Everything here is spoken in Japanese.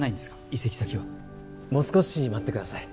移籍先はもう少し待ってください